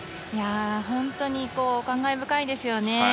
本当に感慨深いですよね。